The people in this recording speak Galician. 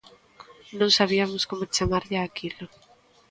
Non sabiamos como chamarlle a aquilo.